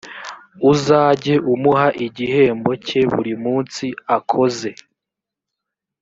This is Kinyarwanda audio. uzajye umuha igihembo cye buri munsi akoze;